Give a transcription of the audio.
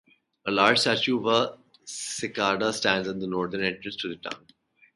A large statue of a cicada stands at the northern entrance to the town.